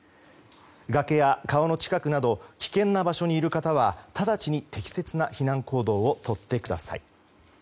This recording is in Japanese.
崖や川の近くなど危険な場所にいる方は直ちに適切な避難行動をとってください。